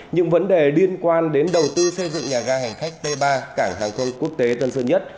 những vấn đề liên quan đến đầu tư xây dựng nhà ga hành khách t ba cảng hàng không quốc tế tân sơn nhất